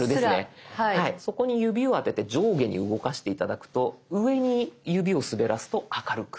そこに指を当てて上下に動かして頂くと上に指を滑らすと明るく。